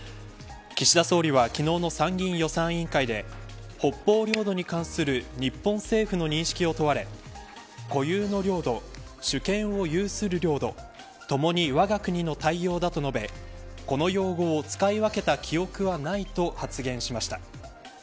岸田総理は昨日の参議院予算委員会で北方領土に関する日本政府の認識を問われ固有の領土主権を有する領土ともにわが国の対応だと述べこの用語を使い分けた記憶はないと発言しました。